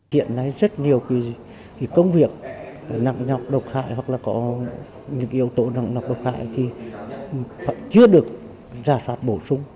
hiện nay rất nhiều công việc nặng nhọc độc hại hoặc là có những yếu tố nặng nhọc độc hại thì vẫn chưa được ra soát bổ sung